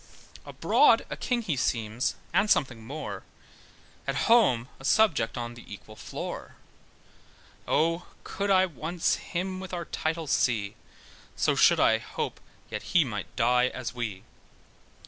Abroad a king he seems, and something more, At home a subject on the equal floor. O could I once him with our title see, So should I hope that he might die as we.